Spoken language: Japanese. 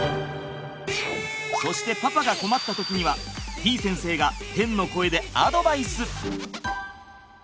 そしてパパが困った時にはてぃ先生が天の声でアドバイス。